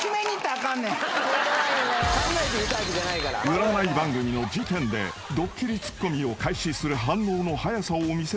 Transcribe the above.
［占い番組の時点でドッキリツッコミを開始する反応の早さを見せつけた昴生］